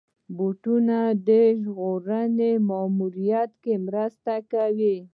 روبوټونه د ژغورنې ماموریتونو کې مرسته کوي.